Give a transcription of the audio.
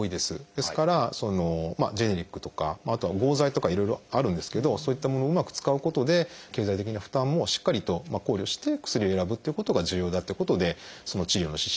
ですからジェネリックとかあとは合剤とかいろいろあるんですけどそういったものをうまく使うことで経済的な負担もしっかりと考慮して薬を選ぶってことが重要だってことでその治療の指針では取り上げました。